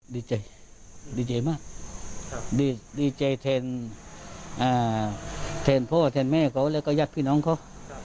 ดีใจดีใจมากดีใจแทนพ่อแทนแม่เขาแล้วก็ญาติพี่น้องเขา